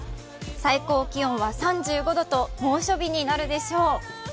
最高気温は３５度と猛暑日になるでしょう。